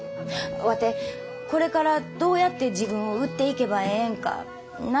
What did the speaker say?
ワテこれからどうやって自分を売っていけばええんか悩んでんねん。